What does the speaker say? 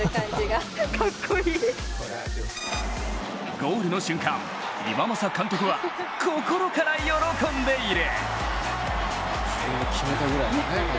ゴールの瞬間、岩政監督は心から喜んでいる。